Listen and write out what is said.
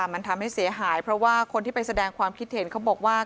มันทำให้เสียหายเพราะว่าคนที่ไปแสดงความคิดเห็นเขาบอกว่า